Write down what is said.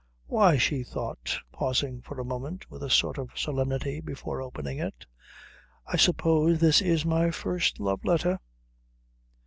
"Why," she thought, pausing for a moment with a sort of solemnity before opening it, "I suppose this is my first love letter."